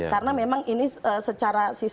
karena memang ini secara